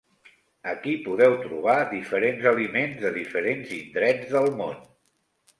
Aquí podeu trobar diferents aliments de diferents indrets del món.